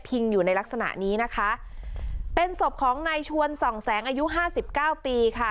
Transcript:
อยู่ในลักษณะนี้นะคะเป็นศพของนายชวนส่องแสงอายุห้าสิบเก้าปีค่ะ